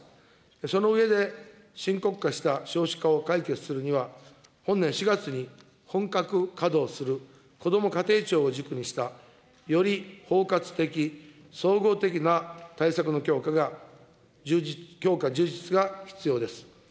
その上で深刻化した少子化を解決するには、本年４月に本格稼働するこども家庭庁を軸にしたより包括的、総合的な対策の強化、充実が必要です。